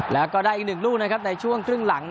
แล้วก็ได้อีก๑ลูกในช่วงครึ่งหลัง